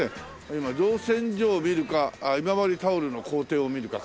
今造船所を見るか今治タオルの工程を見るか考えてるんだけど。